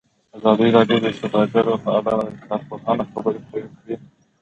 ازادي راډیو د سوداګري په اړه د کارپوهانو خبرې خپرې کړي.